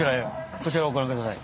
こちらをご覧下さい。